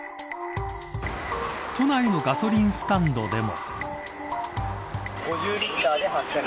都内のガソリンスタンドでも。